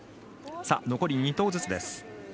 残り２投ずつです。